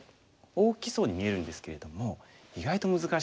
大きそうに見えるんですけれども意外と難しいんですよね。